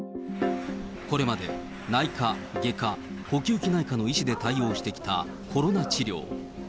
これまで、内科、外科、呼吸器内科の医師で対応してきたコロナ治療。